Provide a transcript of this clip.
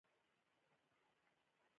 هغه شل کاله پاچهي کړې ده.